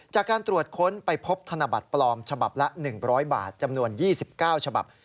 จากการตรวจค้นไปพบธนบัตรปลอมฉบับละ๑๐๐บาทจำนวน๒๙ฉบับ